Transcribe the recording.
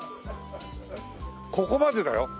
ここまでだよ。